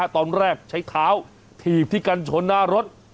ตอนแรกใช้เท้าถีบที่กันชนหน้ารถ